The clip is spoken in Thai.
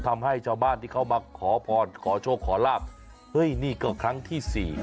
ทำให้ชาวบ้านที่เขามาขอพรขอโชคขอลาบเฮ้ยนี่ก็ครั้งที่สี่